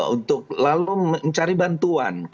untuk lalu mencari bantuan